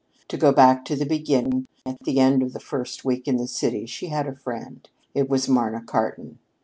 To go back to the beginning, at the end of her first week in the city she had a friend. It was Marna Cartan.